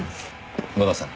野田さん。